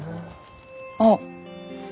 あっ。